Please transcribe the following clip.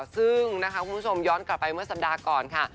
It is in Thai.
ซึ่งนะคะคุณผู้ชมย้อนกลับไปเมื่อสัปดาห์ก่อนค่ะ